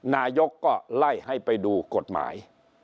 นายกก็ไล่ให้ไปดูกฎหมาย